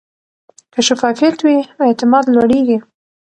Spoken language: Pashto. که شفافیت وي، اعتماد لوړېږي.